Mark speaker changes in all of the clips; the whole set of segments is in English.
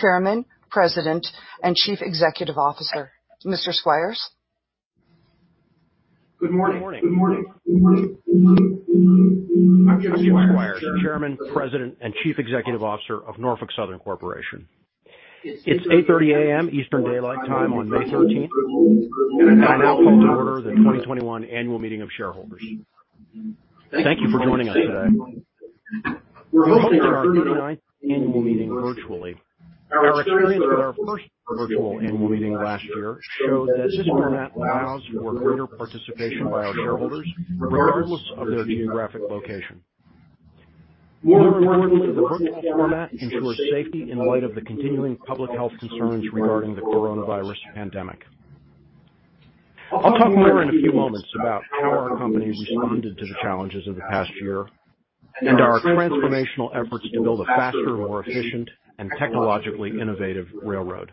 Speaker 1: Chairman, President, and Chief Executive Officer, Mr. Squires?
Speaker 2: Good morning. I'm James A. Squires, Chairman, President, and Chief Executive Officer of Norfolk Southern Corporation. It's 8:30 AM Eastern Daylight Time on May 13th, and I now call to order the 2021 annual meeting of shareholders. Thank you for joining us today. We're hosting our 39th annual meeting virtually. Our experience with our first virtual annual meeting last year showed that this format allows for greater participation by our shareholders, regardless of their geographic location. More importantly, the virtual format ensures safety in light of the continuing public health concerns regarding the coronavirus pandemic. I'll talk more in a few moments about how our company responded to the challenges of the past year, and our transformational efforts to build a faster, more efficient, and technologically innovative railroad.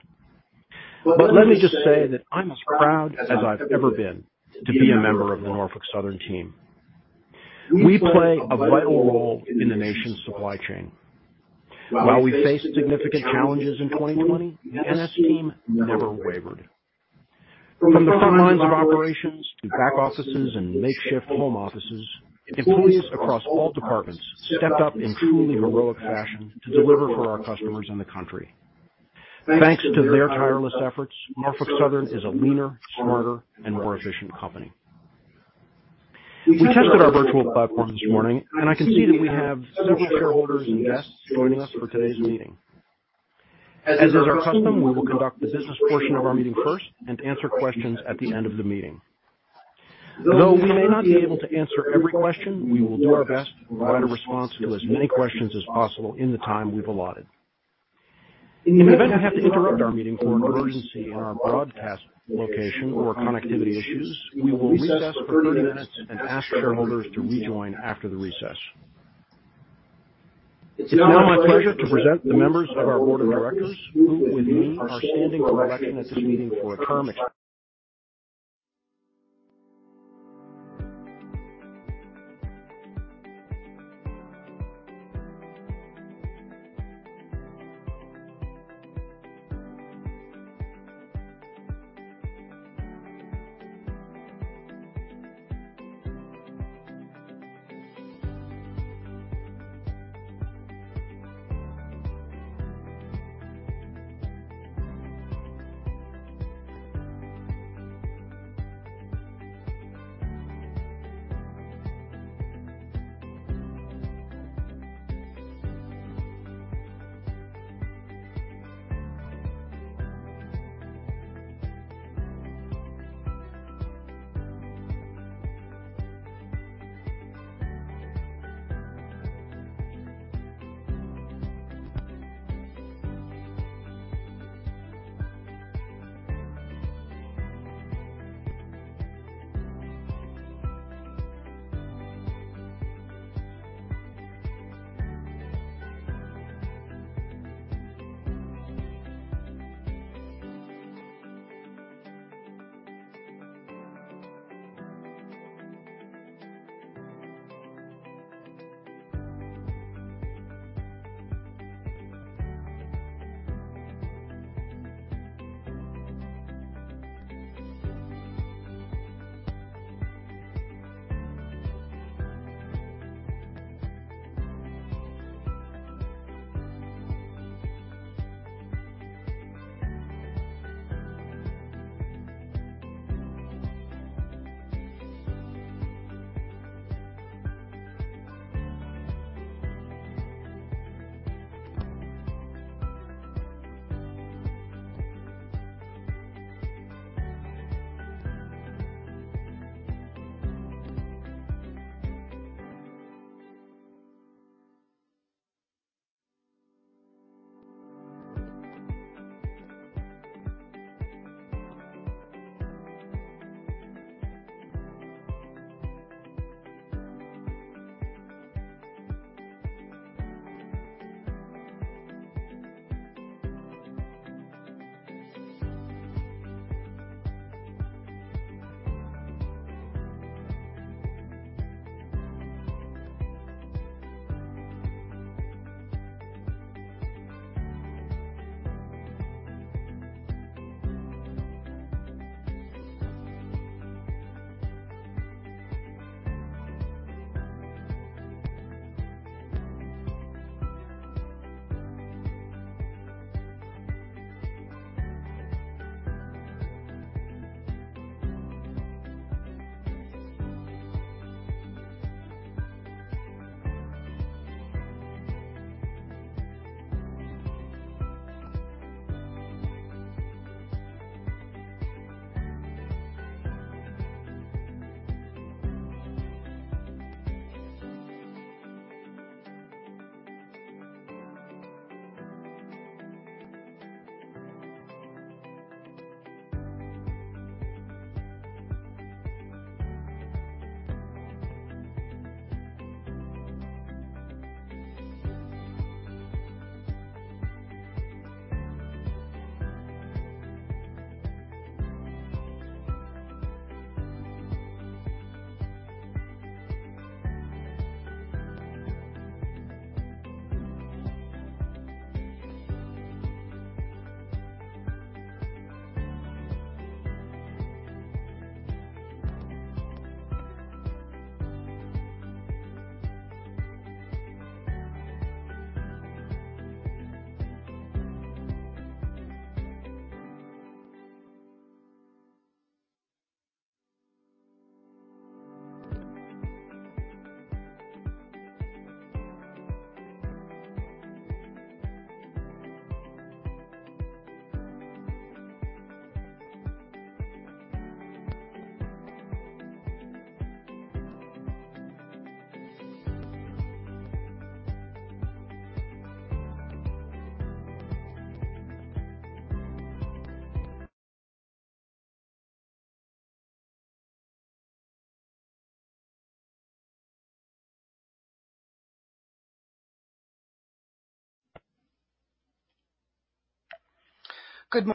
Speaker 2: Let me just say that I'm as proud as I've ever been to be a member of the Norfolk Southern team. We play a vital role in the nation's supply chain. While we faced significant challenges in 2020, the NS team never wavered. From the front lines of operations to back offices and makeshift home offices, employees across all departments stepped up in truly heroic fashion to deliver for our customers and the country. Thanks to their tireless efforts, Norfolk Southern is a leaner, smarter, and more efficient company. We tested our virtual platform this morning, and I can see that we have several shareholders and guests joining us for today's meeting. As is our custom, we will conduct the business portion of our meeting first and answer questions at the end of the meeting. Though we may not be able to answer every question, we will do our best to provide a response to as many questions as possible in the time we've allotted. In the event we have to interrupt our meeting for an emergency in our broadcast location or connectivity issues, we will recess for 30 minutes and ask shareholders to rejoin after the recess. It's now my pleasure to present the members of our board of directors, who with me are standing for election at this meeting for a term.
Speaker 1: Good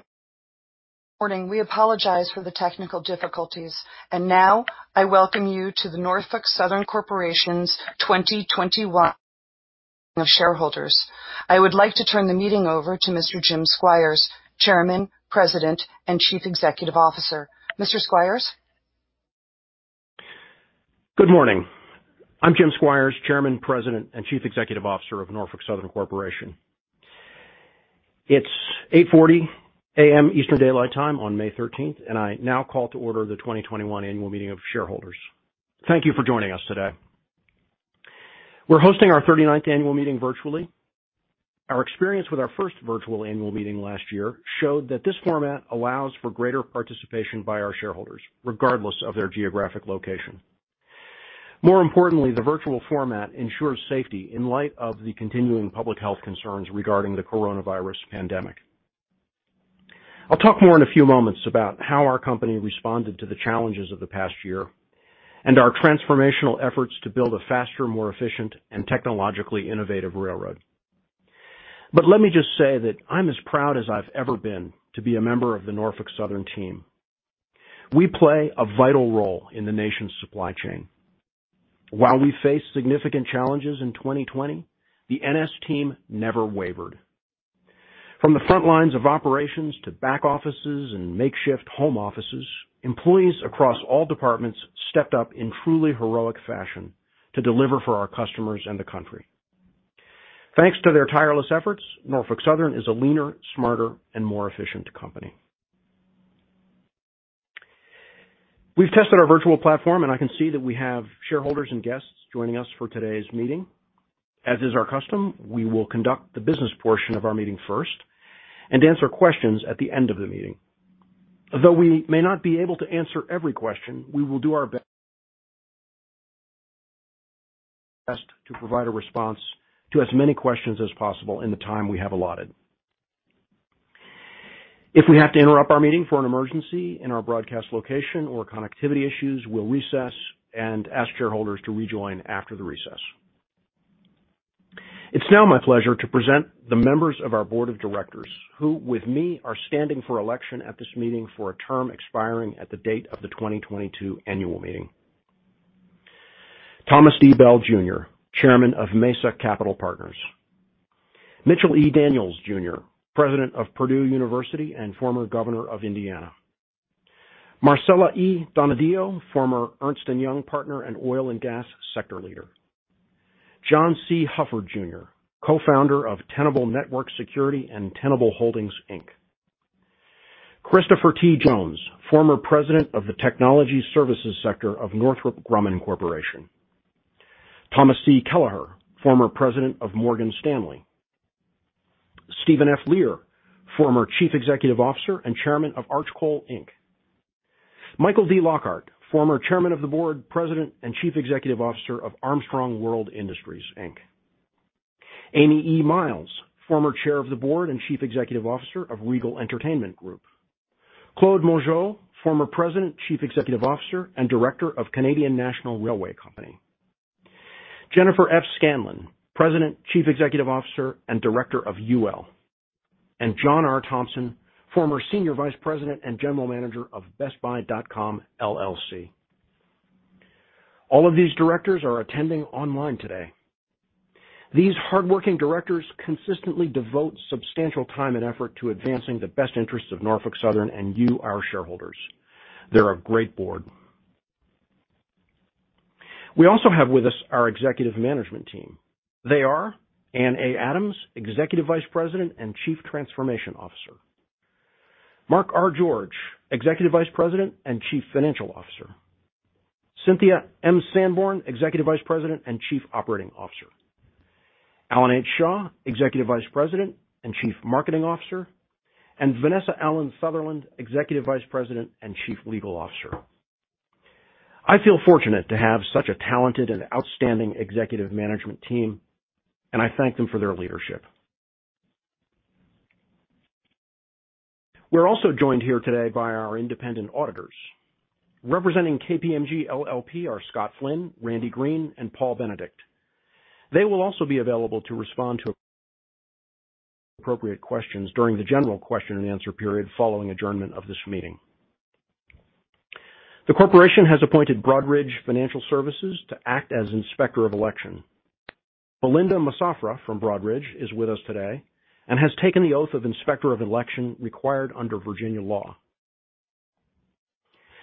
Speaker 1: morning. We apologize for the technical difficulties. Now I welcome you to the Norfolk Southern Corporation's 2021 shareholders. I would like to turn the meeting over to Mr. Jim Squires, Chairman, President, and Chief Executive Officer. Mr. Squires?
Speaker 2: Good morning. I'm James A. Squires, Chairman, President, and Chief Executive Officer of Norfolk Southern Corporation. It's 8:40 A.M. Eastern Daylight Time on May 13th, and I now call to order the 2021 annual meeting of shareholders. Thank you for joining us today. We're hosting our 39th annual meeting virtually. Our experience with our first virtual annual meeting last year showed that this format allows for greater participation by our shareholders, regardless of their geographic location. More importantly, the virtual format ensures safety in light of the continuing public health concerns regarding the coronavirus pandemic. I'll talk more in a few moments about how our company responded to the challenges of the past year and our transformational efforts to build a faster, more efficient, and technologically innovative railroad. Let me just say that I'm as proud as I've ever been to be a member of the Norfolk Southern team. We play a vital role in the nation's supply chain. While we faced significant challenges in 2020, the NS team never wavered. From the front lines of operations to back offices and makeshift home offices, employees across all departments stepped up in truly heroic fashion to deliver for our customers and the country. Thanks to their tireless efforts, Norfolk Southern is a leaner, smarter, and more efficient company. We've tested our virtual platform, and I can see that we have shareholders and guests joining us for today's meeting. As is our custom, we will conduct the business portion of our meeting first and answer questions at the end of the meeting. Although we may not be able to answer every question, we will do our best to provide a response to as many questions as possible in the time we have allotted. If we have to interrupt our meeting for an emergency in our broadcast location or connectivity issues, we'll recess and ask shareholders to rejoin after the recess. It's now my pleasure to present the members of our board of directors, who with me, are standing for election at this meeting for a term expiring at the date of the 2022 annual meeting. Thomas D. Bell, Jr., Chairman of Mesa Capital Partners. Mitchell E. Daniels, Jr., President of Purdue University and former Governor of Indiana. Marcela E. Donadio, former Ernst & Young partner and oil and gas sector leader. John C. Huffard, Jr., co-founder of Tenable Network Security and Tenable Holdings, Inc. Christopher T. Jones, former president of the technology services sector of Northrop Grumman Corporation. Thomas C. Kelleher, former president of Morgan Stanley. Steven F. Leer, former Chief Executive Officer and Chairman of Arch Coal, Inc. Michael D. Lockhart, former Chairman of the Board, President, and Chief Executive Officer of Armstrong World Industries, Inc. Amy E. Miles, former Chair of the Board and Chief Executive Officer of Regal Entertainment Group. Claude Mongeau, former President, Chief Executive Officer, and Director of Canadian National Railway Company. Jennifer F. Scanlon, President, Chief Executive Officer, and Director of UL. John R. Thompson, former Senior Vice President and General Manager of BestBuy.com LLC. All of these directors are attending online today. These hardworking directors consistently devote substantial time and effort to advancing the best interests of Norfolk Southern and you, our shareholders. They're a great board. We also have with us our executive management team. They are Anne A. Adams, Executive Vice President and Chief Transformation Officer. Mark R. George, Executive Vice President and Chief Financial Officer. Cynthia M. Sanborn, Executive Vice President and Chief Operating Officer. Alan H. Shaw, Executive Vice President and Chief Marketing Officer, and Vanessa Allen Sutherland, Executive Vice President and Chief Legal Officer. I feel fortunate to have such a talented and outstanding executive management team, and I thank them for their leadership. We're also joined here today by our independent auditors. Representing KPMG LLP are Scott Flynn, Randy Green, and Paul Benedict. They will also be available to respond to appropriate questions during the general question and answer period following adjournment of this meeting. The corporation has appointed Broadridge Financial Services to act as Inspector of Election. Belinda Massafra from Broadridge is with us today and has taken the oath of Inspector of Election required under Virginia law.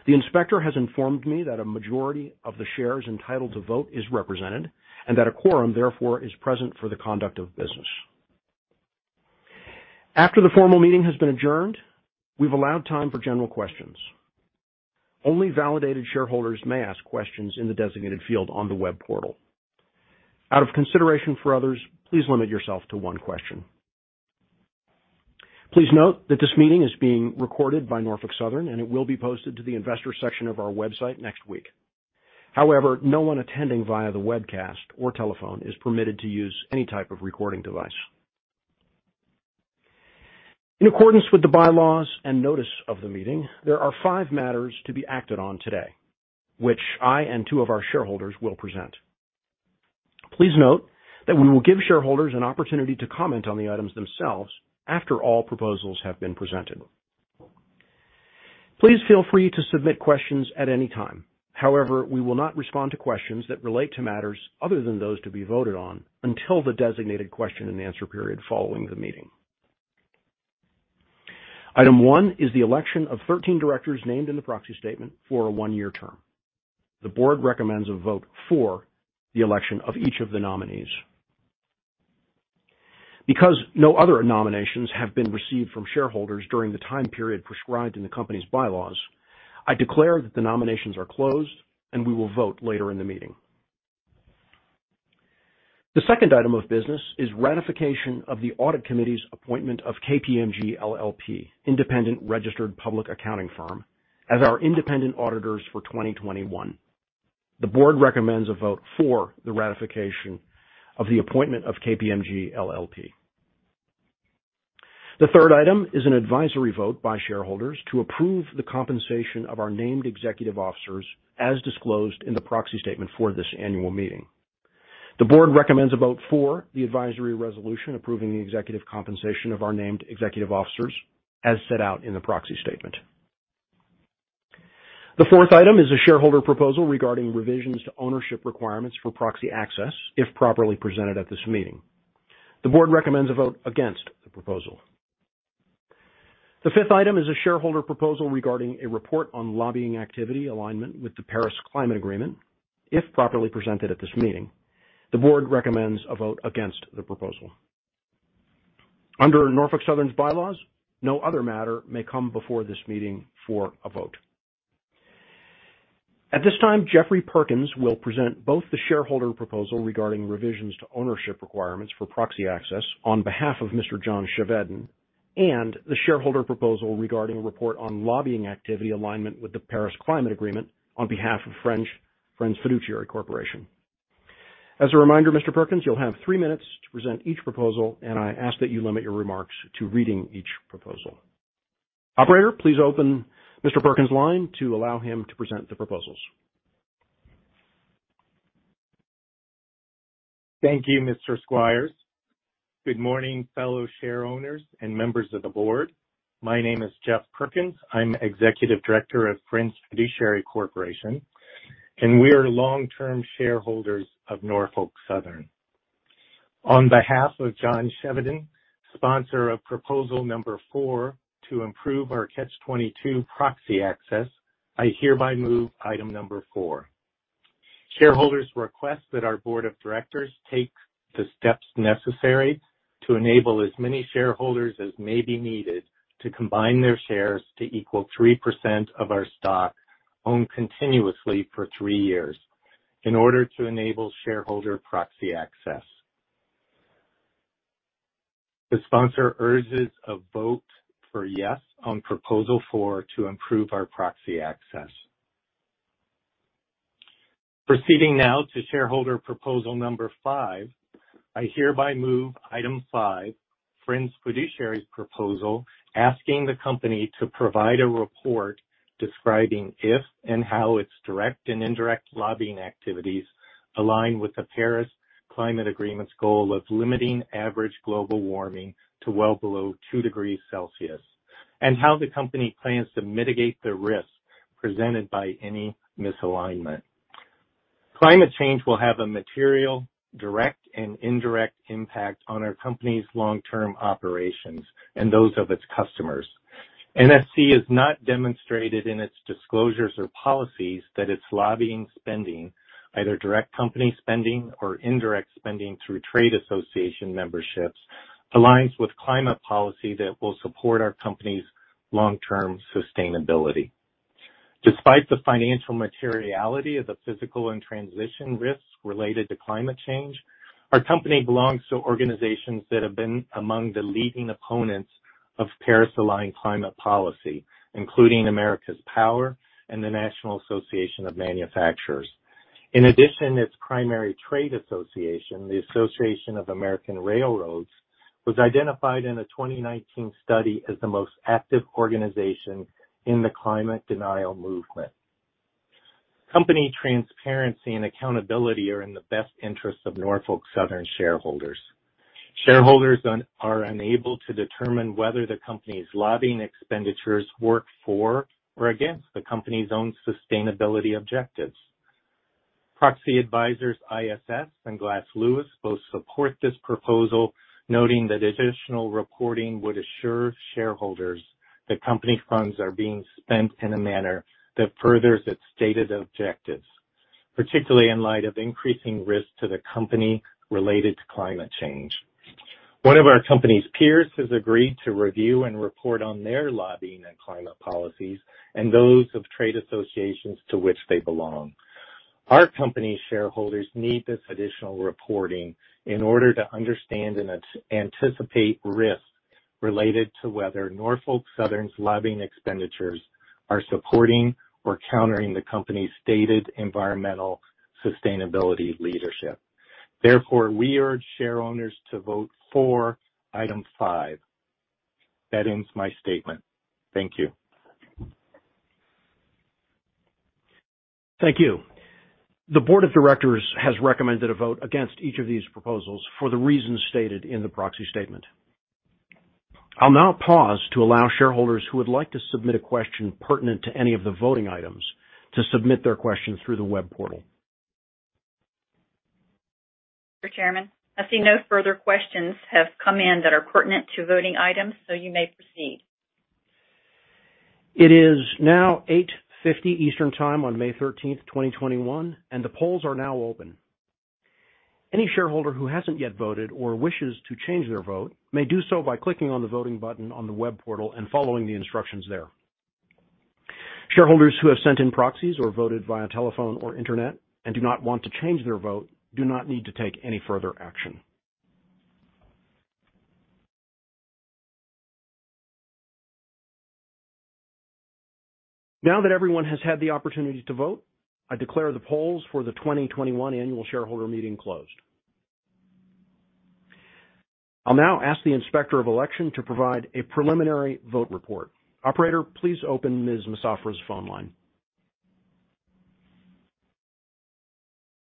Speaker 2: The inspector has informed me that a majority of the shares entitled to vote is represented and that a quorum, therefore, is present for the conduct of business. After the formal meeting has been adjourned, we've allowed time for general questions. Only validated shareholders may ask questions in the designated field on the web portal. Out of consideration for others, please limit yourself to one question. Please note that this meeting is being recorded by Norfolk Southern, and it will be posted to the investor section of our website next week. However, no one attending via the webcast or telephone is permitted to use any type of recording device. In accordance with the bylaws and notice of the meeting, there are five matters to be acted on today, which I and two of our shareholders will present. Please note that we will give shareholders an opportunity to comment on the items themselves after all proposals have been presented. Please feel free to submit questions at any time. However, we will not respond to questions that relate to matters other than those to be voted on until the designated question and answer period following the meeting. Item one is the election of 13 directors named in the proxy statement for a one-year term. The board recommends a vote for the election of each of the nominees. Because no other nominations have been received from shareholders during the time period prescribed in the company's bylaws, I declare that the nominations are closed, and we will vote later in the meeting. The second item of business is ratification of the audit committee's appointment of KPMG LLP, independent registered public accounting firm, as our independent auditors for 2021. The board recommends a vote for the ratification of the appointment of KPMG LLP. The third item is an advisory vote by shareholders to approve the compensation of our named executive officers as disclosed in the proxy statement for this annual meeting. The board recommends a vote for the advisory resolution approving the executive compensation of our named executive officers as set out in the proxy statement. The fourth item is a shareholder proposal regarding revisions to ownership requirements for proxy access if properly presented at this meeting. The board recommends a vote against the proposal. The fifth item is a shareholder proposal regarding a report on lobbying activity alignment with the Paris Climate Agreement if properly presented at this meeting. The board recommends a vote against the proposal. Under Norfolk Southern's bylaws, no other matter may come before this meeting for a vote. At this time, Jeffery Perkins will present both the shareholder proposal regarding revisions to ownership requirements for proxy access on behalf of Mr. John Chevedden and the shareholder proposal regarding a report on lobbying activity alignment with the Paris Climate Agreement on behalf of Friends Fiduciary Corporation. As a reminder, Mr. Perkins, you'll have three minutes to present each proposal, and I ask that you limit your remarks to reading each proposal. Operator, please open Mr. Perkins line to allow him to present the proposals.
Speaker 3: Thank you, Mr. Squires. Good morning, fellow share owners and members of the board. My name is Jeff Perkins. I'm Executive Director of Friends Fiduciary Corporation, and we are long-term shareholders of Norfolk Southern. On behalf of John Chevedden, sponsor of proposal number four to improve our Catch-22 proxy access, I hereby move item number four. Shareholders request that our board of directors take the steps necessary to enable as many shareholders as may be needed to combine their shares to equal 3% of our stock owned continuously for three years in order to enable shareholder proxy access. The sponsor urges a vote for yes on proposal four to improve our proxy access. Proceeding now to shareholder proposal number 5, I hereby move item 5, Friends Fiduciary's proposal, asking the company to provide a report describing if and how its direct and indirect lobbying activities align with the Paris Climate Agreement's goal of limiting average global warming to well below two degrees Celsius, and how the company plans to mitigate the risk presented by any misalignment. Climate change will have a material, direct, and indirect impact on our company's long-term operations and those of its customers. NSC has not demonstrated in its disclosures or policies that its lobbying spending, either direct company spending or indirect spending through trade association memberships, aligns with climate policy that will support our company's long-term sustainability. Despite the financial materiality of the physical and transition risks related to climate change, our company belongs to organizations that have been among the leading opponents of Paris-aligned climate policy, including America's Power and the National Association of Manufacturers. In addition, its primary trade association, the Association of American Railroads, was identified in a 2019 study as the most active organization in the climate denial movement. Company transparency and accountability are in the best interest of Norfolk Southern shareholders. Shareholders are unable to determine whether the company's lobbying expenditures work for or against the company's own sustainability objectives. Proxy advisors ISS and Glass Lewis both support this proposal, noting that additional reporting would assure shareholders that company funds are being spent in a manner that furthers its stated objectives, particularly in light of increasing risk to the company related to climate change. One of our company's peers has agreed to review and report on their lobbying and climate policies and those of trade associations to which they belong. Our company shareholders need this additional reporting in order to understand and anticipate risks related to whether Norfolk Southern's lobbying expenditures are supporting or countering the company's stated environmental sustainability leadership. We urge shareowners to vote for item five. That ends my statement. Thank you.
Speaker 2: Thank you. The board of directors has recommended a vote against each of these proposals for the reasons stated in the proxy statement. I'll now pause to allow shareholders who would like to submit a question pertinent to any of the voting items to submit their questions through the web portal.
Speaker 4: Mr. Chairman, I see no further questions have come in that are pertinent to voting items. You may proceed.
Speaker 2: It is now 8:50 A.M. Eastern Time on May 13, 2021. The polls are now open. Any shareholder who hasn't yet voted or wishes to change their vote may do so by clicking on the voting button on the web portal and following the instructions there. Shareholders who have sent in proxies or voted via telephone or internet and do not want to change their vote do not need to take any further action. Now that everyone has had the opportunity to vote, I declare the polls for the 2021 annual shareholder meeting closed. I'll now ask the Inspector of Election to provide a preliminary vote report. Operator, please open Ms. Massafra's phone line.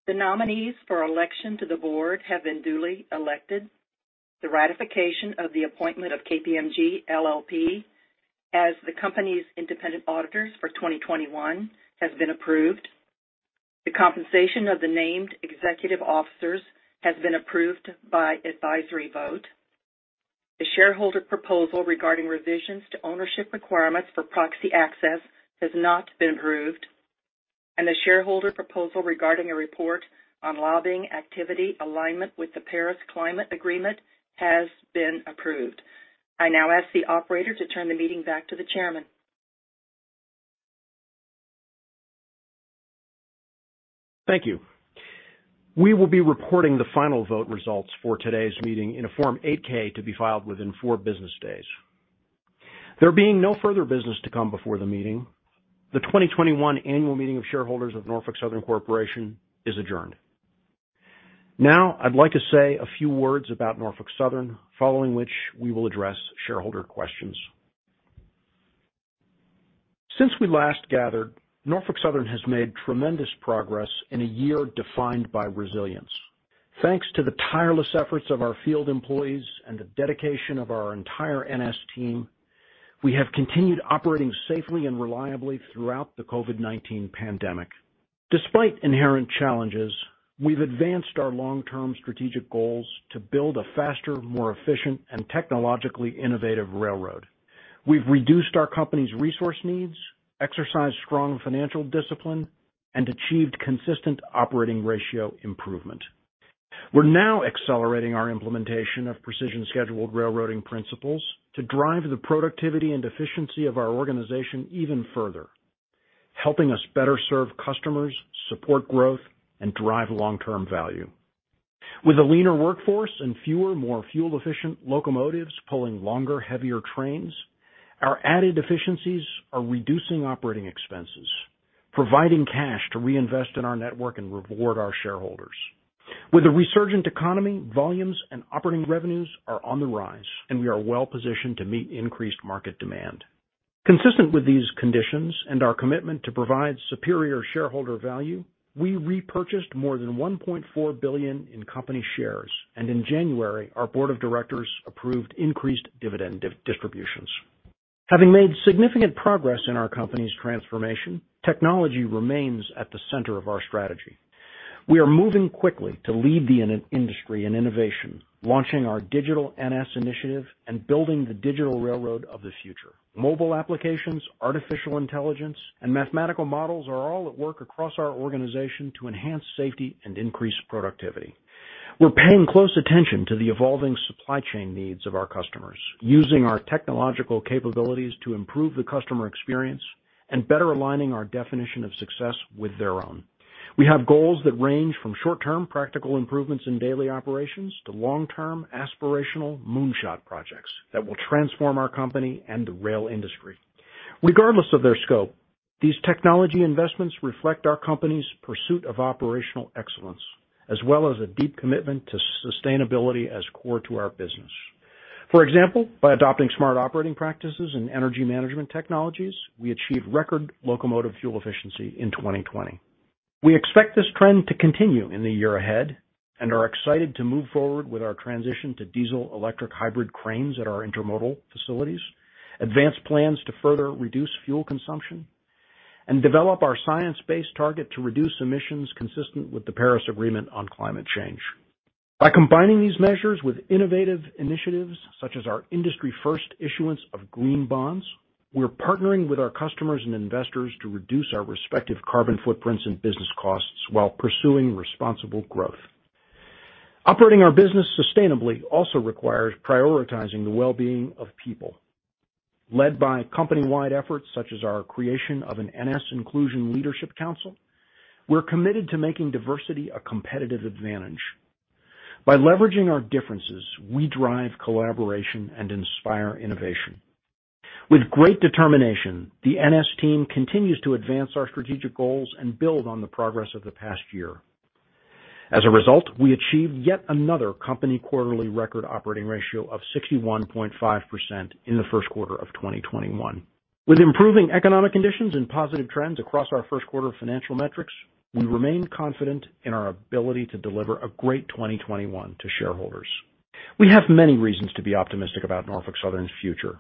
Speaker 5: The nominees for election to the board have been duly elected. The ratification of the appointment of KPMG LLP as the company's independent auditors for 2021 has been approved. The compensation of the named executive officers has been approved by advisory vote. The shareholder proposal regarding revisions to ownership requirements for proxy access has not been approved, and the shareholder proposal regarding a report on lobbying activity alignment with the Paris Climate Agreement has been approved. I now ask the operator to turn the meeting back to the chairman.
Speaker 2: Thank you. We will be reporting the final vote results for today's meeting in a Form 8-K to be filed within four business days. There being no further business to come before the meeting, the 2021 annual meeting of shareholders of Norfolk Southern Corporation is adjourned. I'd like to say a few words about Norfolk Southern, following which we will address shareholder questions. Since we last gathered, Norfolk Southern has made tremendous progress in a year defined by resilience. Thanks to the tireless efforts of our field employees and the dedication of our entire NS team, we have continued operating safely and reliably throughout the COVID-19 pandemic. Despite inherent challenges, we've advanced our long-term strategic goals to build a faster, more efficient, and technologically innovative railroad. We've reduced our company's resource needs, exercised strong financial discipline, and achieved consistent operating ratio improvement. We're now accelerating our implementation of Precision Scheduled Railroading principles to drive the productivity and efficiency of our organization even further, helping us better serve customers, support growth, and drive long-term value. With a leaner workforce and fewer, more fuel-efficient locomotives pulling longer, heavier trains, our added efficiencies are reducing operating expenses, providing cash to reinvest in our network and reward our shareholders. With a resurgent economy, volumes and operating revenues are on the rise, we are well-positioned to meet increased market demand. Consistent with these conditions and our commitment to provide superior shareholder value, we repurchased more than $1.4 billion in company shares. In January, our board of directors approved increased dividend distributions. Having made significant progress in our company's transformation, technology remains at the center of our strategy. We are moving quickly to lead the industry in innovation, launching our Digital NS initiative and building the digital railroad of the future. Mobile applications, artificial intelligence, and mathematical models are all at work across our organization to enhance safety and increase productivity. We're paying close attention to the evolving supply chain needs of our customers, using our technological capabilities to improve the customer experience and better aligning our definition of success with their own. We have goals that range from short-term practical improvements in daily operations to long-term aspirational moonshot projects that will transform our company and the rail industry. Regardless of their scope, these technology investments reflect our company's pursuit of operational excellence, as well as a deep commitment to sustainability as core to our business. For example, by adopting smart operating practices and energy management technologies, we achieved record locomotive fuel efficiency in 2020. We expect this trend to continue in the year ahead and are excited to move forward with our transition to diesel-electric hybrid cranes at our intermodal facilities, advance plans to further reduce fuel consumption, and develop our science-based target to reduce emissions consistent with the Paris Agreement on climate change. By combining these measures with innovative initiatives such as our industry-first issuance of green bonds, we're partnering with our customers and investors to reduce our respective carbon footprints and business costs while pursuing responsible growth. Operating our business sustainably also requires prioritizing the well-being of people. Led by company-wide efforts such as our creation of an NS Inclusion Leadership Council, we're committed to making diversity a competitive advantage. By leveraging our differences, we drive collaboration and inspire innovation. With great determination, the NS team continues to advance our strategic goals and build on the progress of the past year. As a result, we achieved yet another company quarterly record operating ratio of 61.5% in the first quarter of 2021. With improving economic conditions and positive trends across our first quarter financial metrics, we remain confident in our ability to deliver a great 2021 to shareholders. We have many reasons to be optimistic about Norfolk Southern's future.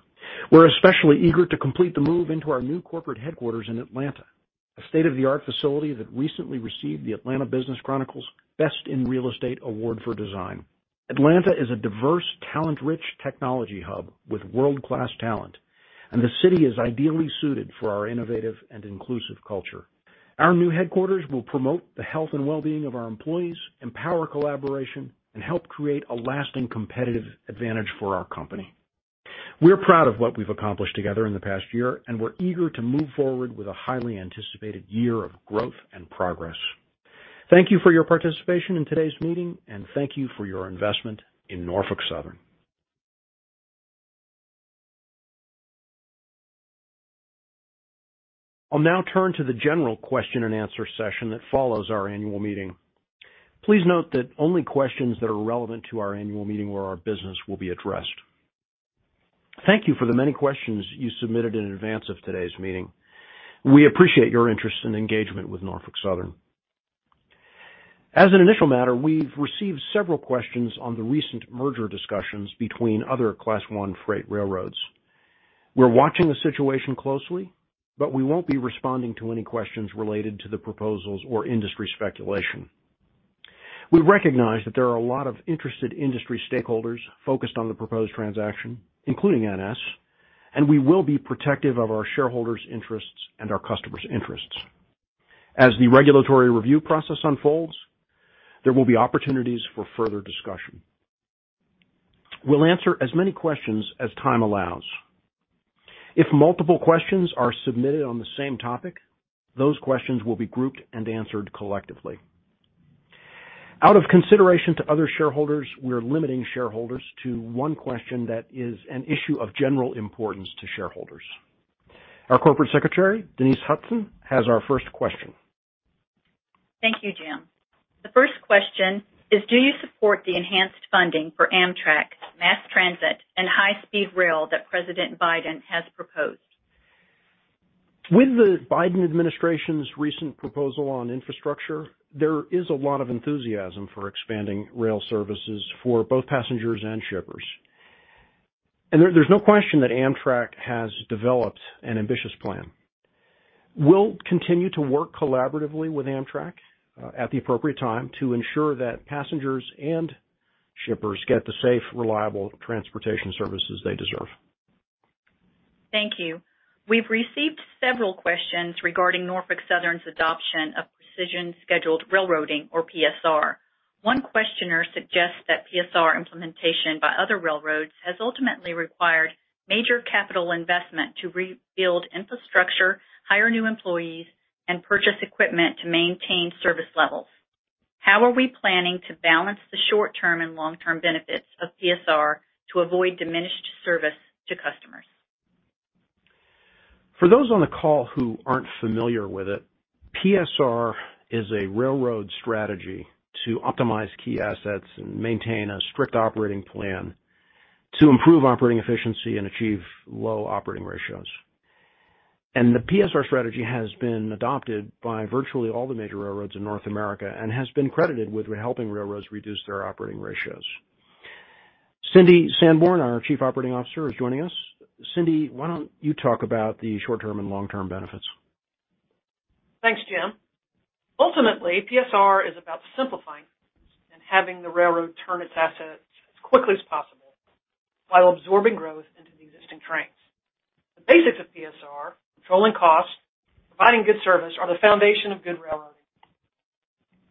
Speaker 2: We're especially eager to complete the move into our new corporate headquarters in Atlanta, a state-of-the-art facility that recently received the Atlanta Business Chronicle's Best in Real Estate Award for Design. Atlanta is a diverse, talent-rich technology hub with world-class talent, the city is ideally suited for our innovative and inclusive culture. Our new headquarters will promote the health and well-being of our employees, empower collaboration, and help create a lasting competitive advantage for our company. We're proud of what we've accomplished together in the past year, and we're eager to move forward with a highly anticipated year of growth and progress. Thank you for your participation in today's meeting, and thank you for your investment in Norfolk Southern. I'll now turn to the general question and answer session that follows our annual meeting. Please note that only questions that are relevant to our annual meeting or our business will be addressed. Thank you for the many questions you submitted in advance of today's meeting. We appreciate your interest and engagement with Norfolk Southern. As an initial matter, we've received several questions on the recent merger discussions between other Class I freight railroads. We're watching the situation closely, but we won't be responding to any questions related to the proposals or industry speculation. We recognize that there are a lot of interested industry stakeholders focused on the proposed transaction, including NS, and we will be protective of our shareholders' interests and our customers' interests. As the regulatory review process unfolds, there will be opportunities for further discussion. We'll answer as many questions as time allows. If multiple questions are submitted on the same topic, those questions will be grouped and answered collectively. Out of consideration to other shareholders, we're limiting shareholders to one question that is an issue of general importance to shareholders. Our Corporate Secretary, Denise Hutson, has our first question.
Speaker 4: Thank you, Jim. The first question is, do you support the enhanced funding for Amtrak, mass transit, and high-speed rail that President Biden has proposed?
Speaker 2: With the Biden administration's recent proposal on infrastructure, there is a lot of enthusiasm for expanding rail services for both passengers and shippers. There's no question that Amtrak has developed an ambitious plan. We'll continue to work collaboratively with Amtrak at the appropriate time to ensure that passengers and shippers get the safe, reliable transportation services they deserve.
Speaker 4: Thank you. We've received several questions regarding Norfolk Southern's adoption of Precision Scheduled Railroading, or PSR. One questioner suggests that PSR implementation by other railroads has ultimately required major capital investment to rebuild infrastructure, hire new employees, and purchase equipment to maintain service levels. How are we planning to balance the short-term and long-term benefits of PSR to avoid diminished service to customers?
Speaker 2: For those on the call who aren't familiar with it, PSR is a railroad strategy to optimize key assets and maintain a strict operating plan to improve operating efficiency and achieve low operating ratios. The PSR strategy has been adopted by virtually all the major railroads in North America and has been credited with helping railroads reduce their operating ratios. Cindy Sanborn, our Chief Operating Officer, is joining us. Cindy, why don't you talk about the short-term and long-term benefits?
Speaker 6: Thanks, Jim. Ultimately, PSR is about simplifying and having the railroad turn its assets as quickly as possible while absorbing growth into the existing trains. The basics of PSR, controlling costs, providing good service, are the foundation of good railroading.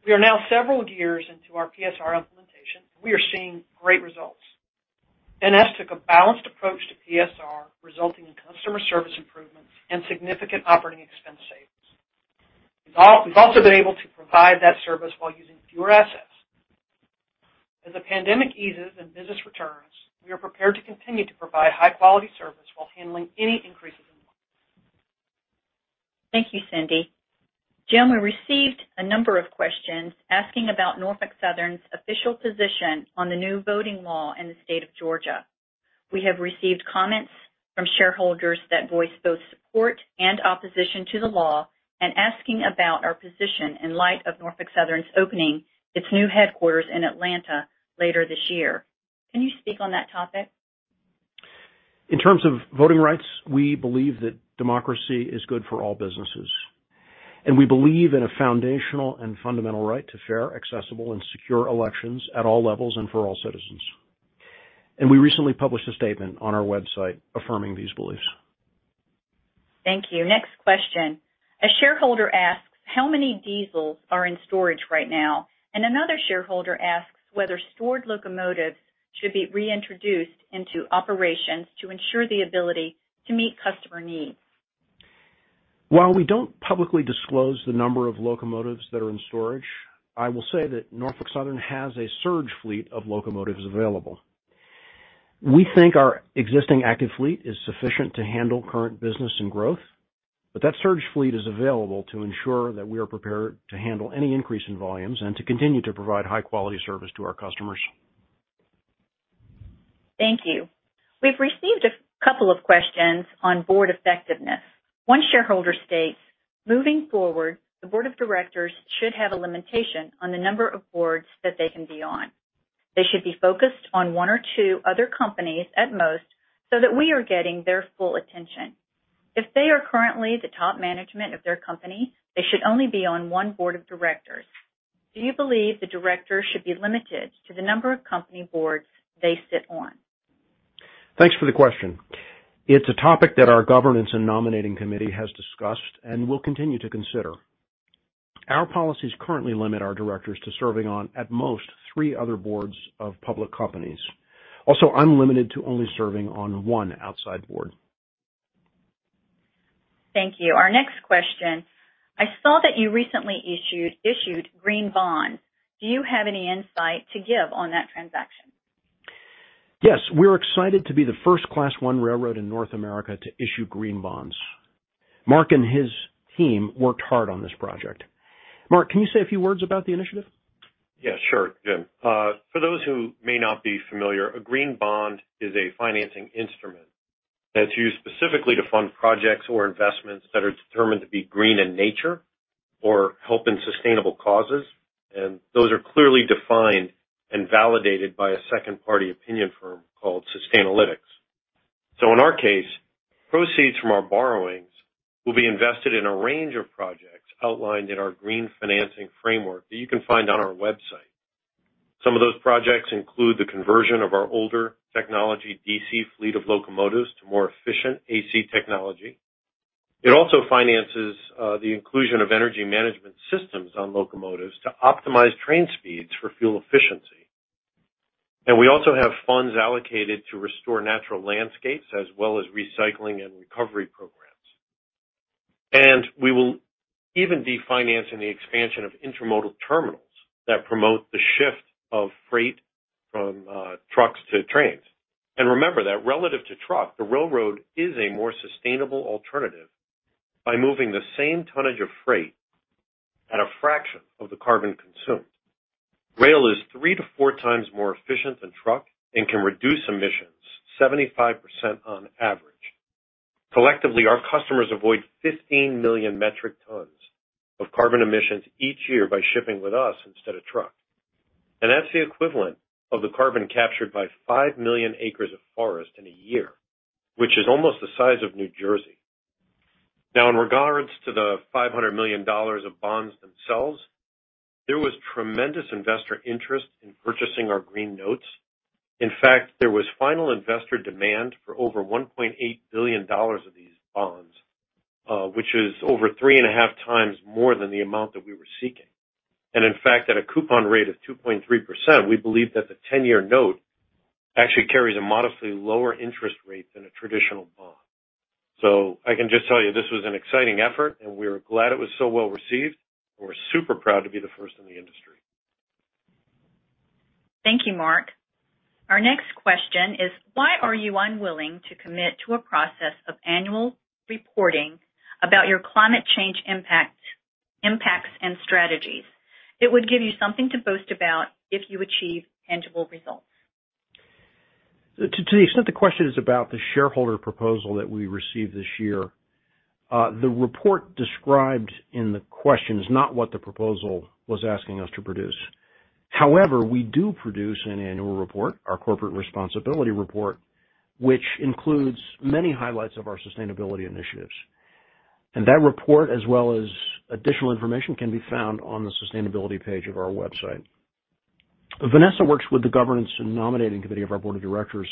Speaker 6: We are now several years into our PSR implementation, and we are seeing great results. NS took a balanced approach to PSR, resulting in customer service improvements and significant operating expense savings. We've also been able to provide that service while using fewer assets. As the pandemic eases and business returns, we are prepared to continue to provide high-quality service while handling any increases in
Speaker 4: Thank you, Cindy. Jim, we received a number of questions asking about Norfolk Southern's official position on the new voting law in the state of Georgia. We have received comments from shareholders that voice both support and opposition to the law and asking about our position in light of Norfolk Southern's opening its new headquarters in Atlanta later this year. Can you speak on that topic?
Speaker 2: In terms of voting rights, we believe that democracy is good for all businesses, and we believe in a foundational and fundamental right to fair, accessible, and secure elections at all levels and for all citizens. We recently published a statement on our website affirming these beliefs.
Speaker 4: Thank you. Next question. A shareholder asks how many diesels are in storage right now. Another shareholder asks whether stored locomotives should be reintroduced into operations to ensure the ability to meet customer needs.
Speaker 2: While we don't publicly disclose the number of locomotives that are in storage, I will say that Norfolk Southern has a surge fleet of locomotives available. We think our existing active fleet is sufficient to handle current business and growth, but that surge fleet is available to ensure that we are prepared to handle any increase in volumes and to continue to provide high-quality service to our customers.
Speaker 4: Thank you. We've received a couple of questions on board effectiveness. One shareholder states, "Moving forward, the board of directors should have a limitation on the number of boards that they can be on. They should be focused on one or two other companies at most so that we are getting their full attention. If they are currently the top management of their company, they should only be on one board of directors." Do you believe the directors should be limited to the number of company boards they sit on?
Speaker 2: Thanks for the question. It's a topic that our governance and nominating committee has discussed and will continue to consider. Our policies currently limit our directors to serving on, at most, three other boards of public companies. Also, I'm limited to only serving on one outside board.
Speaker 4: Thank you. Our next question, I saw that you recently issued green bonds. Do you have any insight to give on that transaction?
Speaker 2: Yes. We're excited to be the first Class I railroad in North America to issue green bonds. Mark and his team worked hard on this project. Mark, can you say a few words about the initiative?
Speaker 7: Yeah, sure, Jim Squires. For those who may not be familiar, a green bond is a financing instrument that's used specifically to fund projects or investments that are determined to be green in nature or help in sustainable causes, and those are clearly defined and validated by a second-party opinion firm called Sustainalytics. In our case, proceeds from our borrowings will be invested in a range of projects outlined in our green financing framework that you can find on our website. Some of those projects include the conversion of our older technology DC fleet of locomotives to more efficient AC technology. It also finances the inclusion of energy management systems on locomotives to optimize train speeds for fuel efficiency. We also have funds allocated to restore natural landscapes as well as recycling and recovery programs. We will even be financing the expansion of intermodal terminals that promote the shift of freight from trucks to trains. Remember that relative to truck, the railroad is a more sustainable alternative by moving the same tonnage of freight at a fraction of the carbon consumed. Rail is three to four times more efficient than truck and can reduce emissions 75% on average. Collectively, our customers avoid 15 million metric tons of carbon emissions each year by shipping with us instead of truck, and that's the equivalent of the carbon captured by 5 million acres of forest in a year, which is almost the size of New Jersey. Now, in regards to the $500 million of bonds themselves, there was tremendous investor interest in purchasing our green notes. There was final investor demand for over $1.8 billion of these bonds, which is over three and a half times more than the amount that we were seeking. In fact, at a coupon rate of two point three%, we believe that the 10-year note actually carries a modestly lower interest rate than a traditional bond. I can just tell you this was an exciting effort, we're glad it was so well-received, we're super proud to be the first in the industry.
Speaker 4: Thank you, Mark. Our next question is why are you unwilling to commit to a process of annual reporting about your climate change impacts and strategies? It would give you something to boast about if you achieve tangible results.
Speaker 2: To the extent the question is about the shareholder proposal that we received this year, the report described in the question is not what the proposal was asking us to produce. However, we do produce an annual report, our corporate responsibility report, which includes many highlights of our sustainability initiatives. That report, as well as additional information, can be found on the sustainability page of our website. Vanessa works with the governance and nominating committee of our board of directors,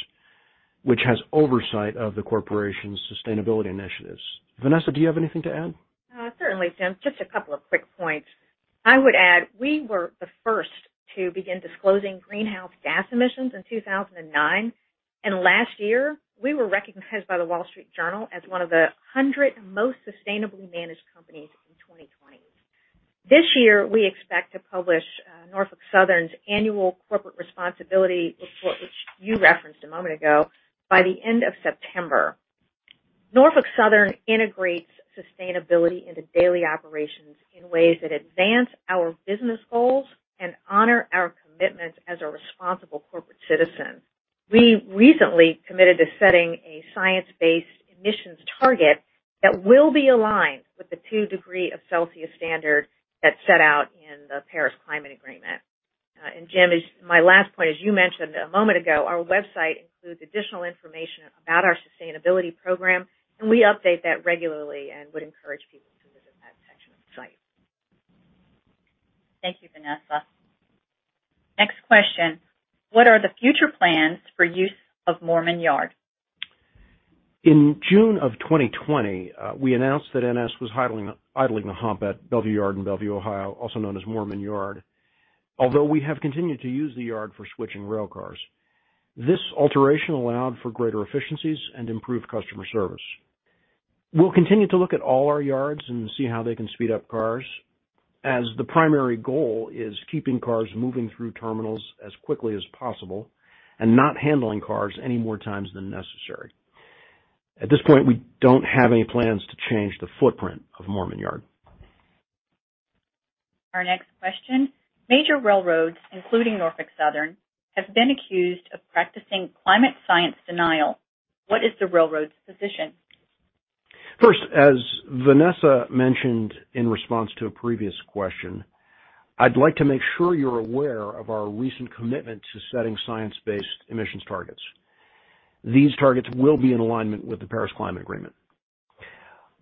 Speaker 2: which has oversight of the corporation's sustainability initiatives. Vanessa, do you have anything to add?
Speaker 8: Certainly, James A. Squires. Just a couple of quick points. I would add, we were the first to begin disclosing greenhouse gas emissions in 2009, and last year we were recognized by The Wall Street Journal as one of the 100 most sustainably managed companies in 2020. This year, we expect to publish Norfolk Southern's annual corporate responsibility report, which you referenced a moment ago, by the end of September. Norfolk Southern integrates sustainability into daily operations in ways that advance our business goals and honor our commitments as a responsible corporate citizen. We recently committed to setting a science-based emissions target that will be aligned with the 2 degree of Celsius standard that's set out in the Paris Climate Agreement. Jim, my last point, as you mentioned a moment ago, our website includes additional information about our sustainability program, and we update that regularly and would encourage people to visit that section of the site.
Speaker 4: Thank you, Vanessa. Next question, what are the future plans for use of Moorman Yard?
Speaker 2: In June of 2020, we announced that NS was idling the hump at Bellevue Yard in Bellevue, Ohio, also known as Moorman Yard. Although we have continued to use the yard for switching rail cars. This alteration allowed for greater efficiencies and improved customer service. We'll continue to look at all our yards and see how they can speed up cars, as the primary goal is keeping cars moving through terminals as quickly as possible and not handling cars any more times than necessary. At this point, we don't have any plans to change the footprint of Moorman Yard.
Speaker 4: Our next question, major railroads, including Norfolk Southern, have been accused of practicing climate science denial. What is the railroad's position?
Speaker 2: First, as Vanessa mentioned in response to a previous question, I'd like to make sure you're aware of our recent commitment to setting science-based emissions targets. These targets will be in alignment with the Paris Climate Agreement.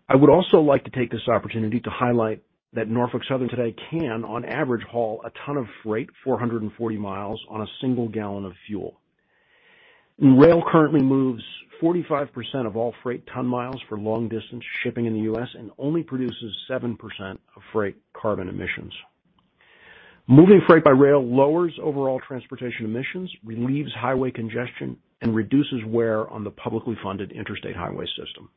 Speaker 2: I would also like to take this opportunity to highlight that Norfolk Southern today can, on average, haul a ton of freight 440 miles on a single gallon of fuel. Rail currently moves 45% of all freight ton miles for long-distance shipping in the U.S. and only produces 7% of freight carbon emissions. Moving freight by rail lowers overall transportation emissions, relieves highway congestion, and reduces wear on the publicly funded interstate highway system.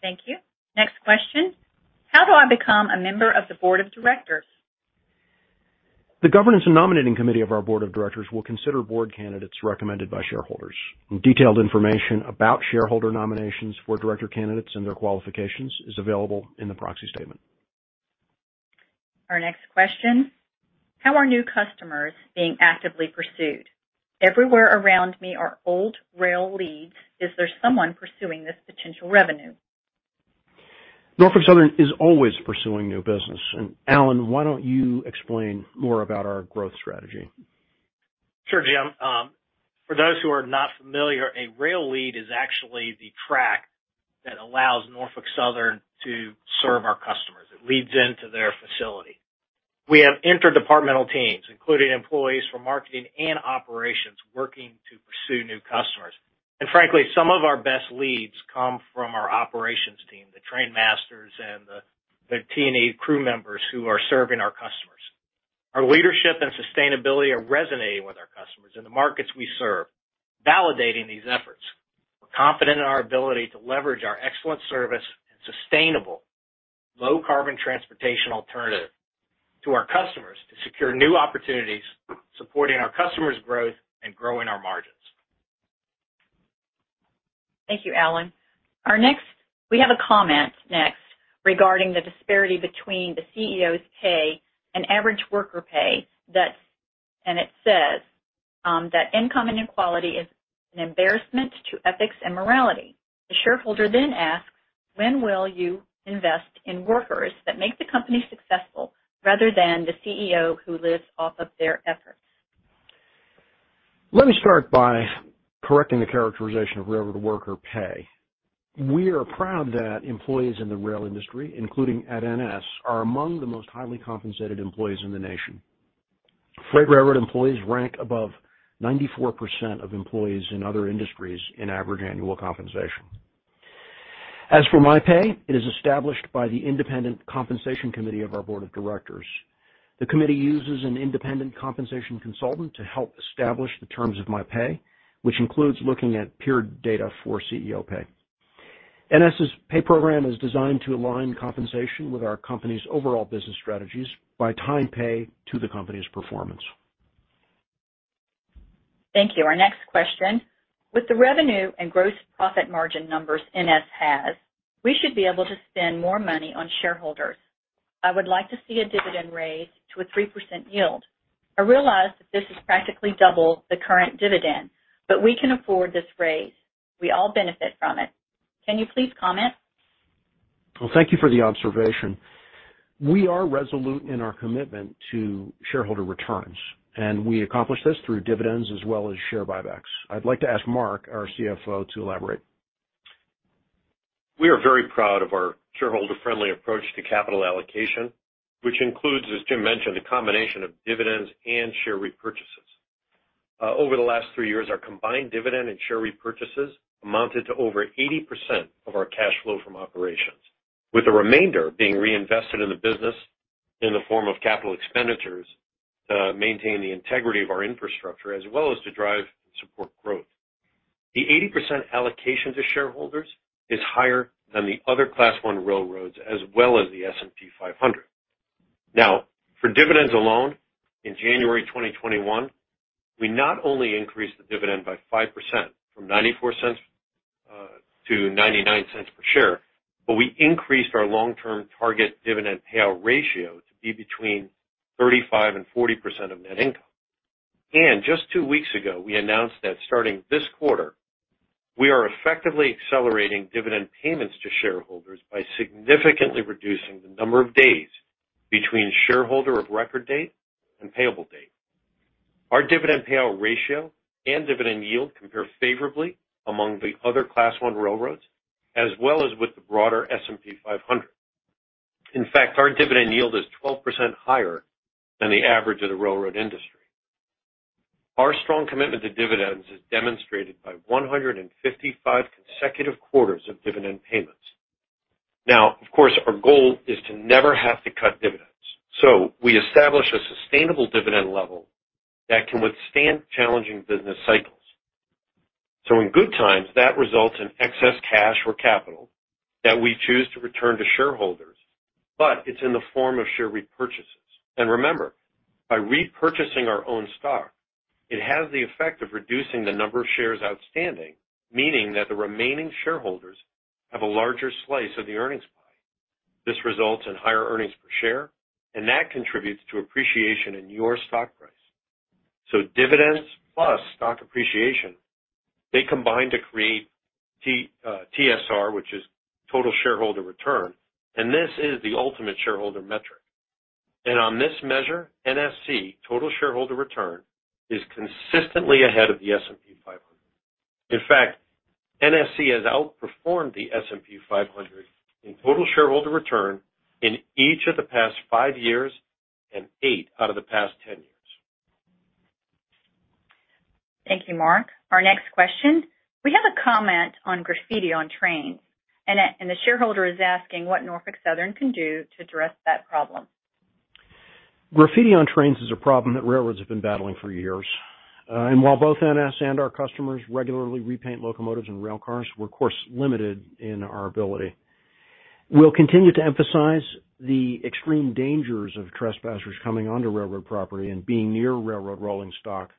Speaker 4: Thank you. Next question, how do I become a member of the board of directors?
Speaker 2: The governance and nominating committee of our board of directors will consider board candidates recommended by shareholders. Detailed information about shareholder nominations for director candidates and their qualifications is available in the proxy statement.
Speaker 4: Our next question, how are new customers being actively pursued? Everywhere around me are old rail leads. Is there someone pursuing this potential revenue?
Speaker 2: Norfolk Southern is always pursuing new business. Alan, why don't you explain more about our growth strategy?
Speaker 9: Sure, Jim. For those who are not familiar, a rail lead is actually the track that allows Norfolk Southern to serve our customers. It leads into their facility. We have interdepartmental teams, including employees from marketing and operations, working to pursue new customers. Frankly, some of our best leads come from our operations team, the train masters, and the T&E crew members who are serving our customers. Our leadership and sustainability are resonating with our customers in the markets we serve, validating these efforts. We're confident in our ability to leverage our excellent service and sustainable low-carbon transportation alternative to our customers to secure new opportunities, supporting our customers' growth and growing our margins.
Speaker 4: Thank you, Alan. We have a comment next regarding the disparity between the CEO's pay and average worker pay, and it says that income inequality is an embarrassment to ethics and morality. The shareholder then asks, "When will you invest in workers that make the company successful rather than the CEO who lives off of their efforts?
Speaker 2: Let me start by correcting the characterization of railroad worker pay. We are proud that employees in the rail industry, including at NS, are among the most highly compensated employees in the nation. Freight railroad employees rank above 94% of employees in other industries in average annual compensation. As for my pay, it is established by the independent compensation committee of our board of directors. The committee uses an independent compensation consultant to help establish the terms of my pay, which includes looking at peer data for CEO pay. NS's pay program is designed to align compensation with our company's overall business strategies by tying pay to the company's performance.
Speaker 4: Thank you. Our next question, with the revenue and gross profit margin numbers NS has, we should be able to spend more money on shareholders. I would like to see a dividend raise to a 3% yield. I realize that this is practically double the current dividend, but we can afford this raise. We all benefit from it. Can you please comment?
Speaker 2: Well, thank you for the observation. We are resolute in our commitment to shareholder returns, and we accomplish this through dividends as well as share buybacks. I'd like to ask Mark, our CFO, to elaborate.
Speaker 7: We are very proud of our shareholder-friendly approach to capital allocation, which includes, as Jim mentioned, a combination of dividends and share repurchases. Over the last three years, our combined dividend and share repurchases amounted to over 80% of our cash flow from operations, with the remainder being reinvested in the business in the form of capital expenditures to maintain the integrity of our infrastructure as well as to drive and support growth. The 80% allocation to shareholders is higher than the other Class I railroads as well as the S&P 500. Now, for dividends alone, in January 2021, we not only increased the dividend by 5% from $0.94 to $0.99 per share, but we increased our long-term target dividend payout ratio to be between 35% and 40% of net income. Just two weeks ago, we announced that starting this quarter, we are effectively accelerating dividend payments to shareholders by significantly reducing the number of days between shareholder of record date and payable date. Our dividend payout ratio and dividend yield compare favorably among the other Class I railroads as well as with the broader S&P 500. In fact, our dividend yield is 12% higher than the average of the railroad industry. Our strong commitment to dividends is demonstrated by 155 consecutive quarters of dividend payments. Of course, our goal is to never have to cut dividends. We establish a sustainable dividend level that can withstand challenging business cycles. In good times, that results in excess cash or capital that we choose to return to shareholders, but it's in the form of share repurchases. Remember, by repurchasing our own stock, it has the effect of reducing the number of shares outstanding, meaning that the remaining shareholders have a larger slice of the earnings pie. This results in higher earnings per share, and that contributes to appreciation in your stock price. Dividends plus stock appreciation, they combine to create TSR, which is total shareholder return, and this is the ultimate shareholder metric. On this measure, NSC total shareholder return is consistently ahead of the S&P 500. In fact, NSC has outperformed the S&P 500 in total shareholder return in each of the past five years and eight out of the past 10 years.
Speaker 4: Thank you, Mark. Our next question, we have a comment on graffiti on trains, and the shareholder is asking what Norfolk Southern can do to address that problem.
Speaker 2: Graffiti on trains is a problem that railroads have been battling for years. While both NS and our customers regularly repaint locomotives and rail cars, we're of course limited in our ability. We'll continue to emphasize the extreme dangers of trespassers coming onto railroad property and being near railroad rolling stock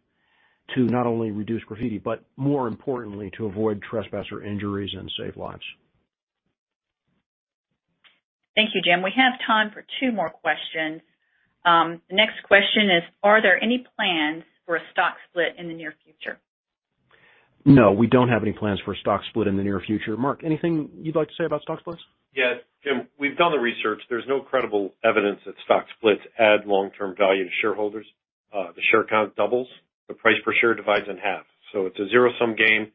Speaker 2: to not only reduce graffiti, but more importantly, to avoid trespasser injuries and save lives.
Speaker 4: Thank you, Jim. We have time for two more questions. Next question is, are there any plans for a stock split in the near future?
Speaker 2: No, we don't have any plans for a stock split in the near future. Mark, anything you'd like to say about stock splits?
Speaker 7: Yes, Jim, we've done the research. There's no credible evidence that stock splits add long-term value to shareholders. The share count doubles, the price per share divides in half. It's a zero-sum game,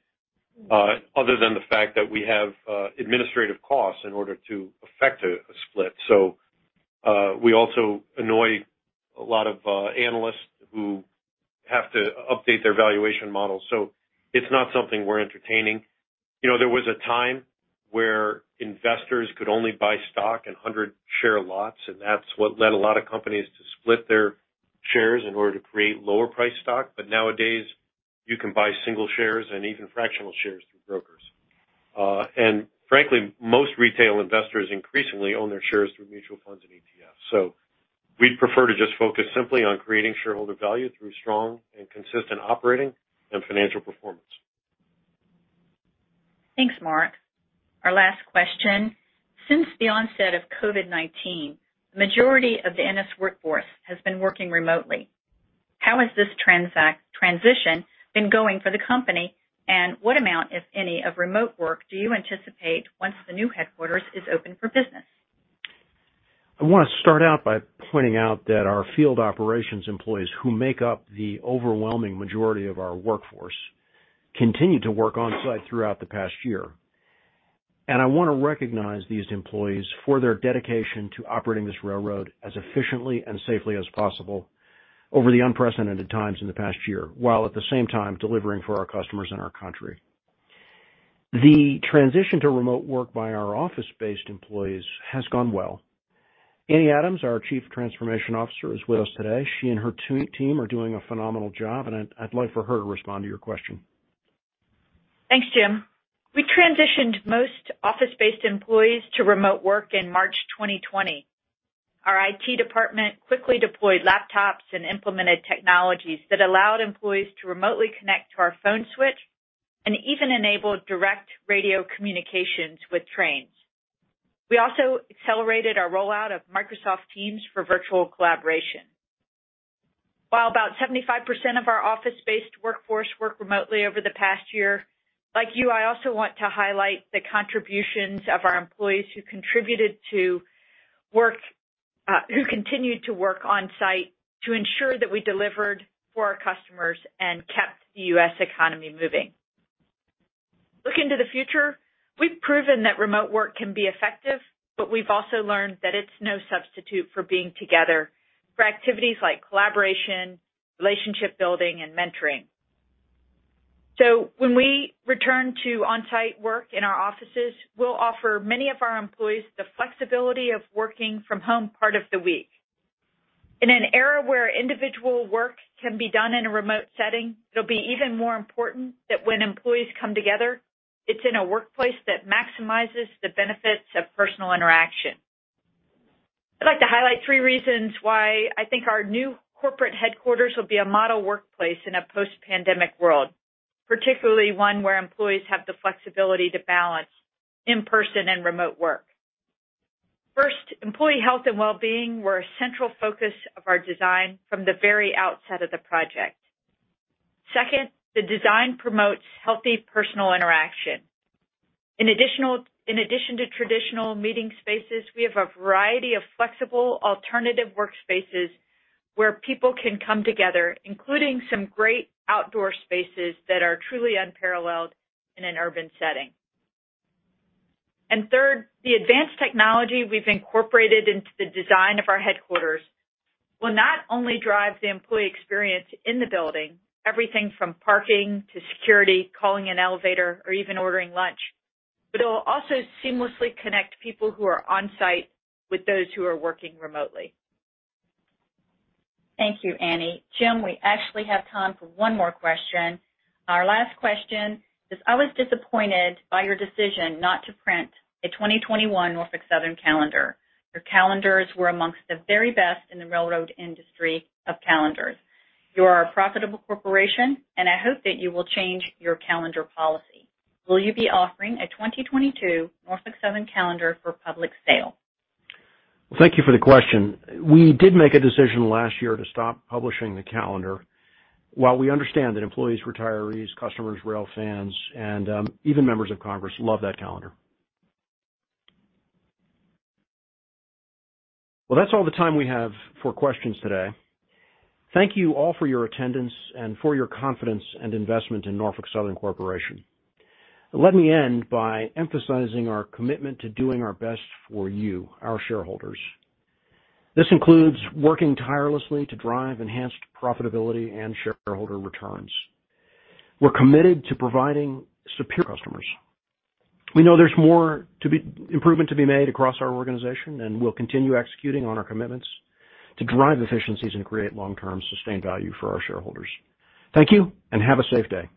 Speaker 7: other than the fact that we have administrative costs in order to effect a split. We also annoy a lot of analysts who have to update their valuation model. It's not something we're entertaining. There was a time where investors could only buy stock in 100-share lots, that's what led a lot of companies to split their shares in order to create lower-priced stock. Nowadays, you can buy single shares and even fractional shares through brokers. Frankly, most retail investors increasingly own their shares through mutual funds and ETFs. We'd prefer to just focus simply on creating shareholder value through strong and consistent operating and financial performance.
Speaker 4: Thanks, Mark. Our last question. Since the onset of COVID-19, the majority of the NS workforce has been working remotely. How has this transition been going for the company, and what amount, if any, of remote work do you anticipate once the new headquarters is open for business?
Speaker 2: I want to start out by pointing out that our field operations employees, who make up the overwhelming majority of our workforce, continued to work on-site throughout the past year. I want to recognize these employees for their dedication to operating this railroad as efficiently and safely as possible over the unprecedented times in the past year, while at the same time delivering for our customers and our country. The transition to remote work by our office-based employees has gone well. Ann Adams, our Chief Transformation Officer, is with us today. She and her team are doing a phenomenal job, and I'd like for her to respond to your question.
Speaker 10: Thanks, Jim. We transitioned most office-based employees to remote work in March 2020. Our IT department quickly deployed laptops and implemented technologies that allowed employees to remotely connect to our phone switch and even enabled direct radio communications with trains. We also accelerated our rollout of Microsoft Teams for virtual collaboration. While about 75% of our office-based workforce worked remotely over the past year, like you, I also want to highlight the contributions of our employees who continued to work on-site to ensure that we delivered for our customers and kept the U.S. economy moving. Looking to the future, we've proven that remote work can be effective, but we've also learned that it's no substitute for being together for activities like collaboration, relationship building, and mentoring. When we return to on-site work in our offices, we'll offer many of our employees the flexibility of working from home part of the week. In an era where individual work can be done in a remote setting, it'll be even more important that when employees come together, it's in a workplace that maximizes the benefits of personal interaction. I'd like to highlight three reasons why I think our new corporate headquarters will be a model workplace in a post-pandemic world, particularly one where employees have the flexibility to balance in-person and remote work. First, employee health and wellbeing were a central focus of our design from the very outset of the project. Second, the design promotes healthy personal interaction. In addition to traditional meeting spaces, we have a variety of flexible alternative workspaces where people can come together, including some great outdoor spaces that are truly unparalleled in an urban setting. Third, the advanced technology we've incorporated into the design of our headquarters will not only drive the employee experience in the building, everything from parking to security, calling an elevator, or even ordering lunch, but it will also seamlessly connect people who are on-site with those who are working remotely.
Speaker 4: Thank you, Ann Adams. James A. Squires, we actually have time for one more question. Our last question is, "I was disappointed by your decision not to print a 2021 Norfolk Southern calendar. Your calendars were amongst the very best in the railroad industry of calendars. You are a profitable corporation, and I hope that you will change your calendar policy. Will you be offering a 2022 Norfolk Southern calendar for public sale?
Speaker 2: Thank you for the question. We did make a decision last year to stop publishing the calendar, while we understand that employees, retirees, customers, rail fans, and even members of Congress love that calendar. That's all the time we have for questions today. Thank you all for your attendance and for your confidence and investment in Norfolk Southern Corporation. Let me end by emphasizing our commitment to doing our best for you, our shareholders. This includes working tirelessly to drive enhanced profitability and shareholder returns. We're committed to providing superior customers. We know there's more improvement to be made across our organization, and we'll continue executing on our commitments to drive efficiencies and create long-term sustained value for our shareholders. Thank you, and have a safe day.